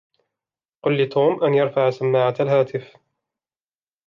قل لتوم أن يرفع سماعة الهاتف.